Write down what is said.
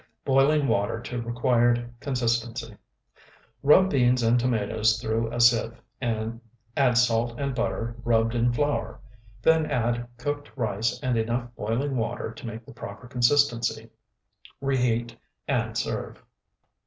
Boiling water to required consistency. Rub beans and tomatoes through a sieve; add salt and butter rubbed in flour; then add cooked rice and enough boiling water to make the proper consistency; reheat, and serve.